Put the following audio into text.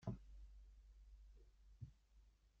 Firmado en fuerte Jackson, en presencia de--